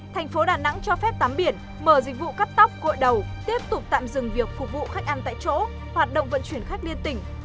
thành phố đà nẵng cho phép tắm biển mở dịch vụ cắt tóc gội đầu tiếp tục tạm dừng việc phục vụ khách ăn tại chỗ hoạt động vận chuyển khách liên tỉnh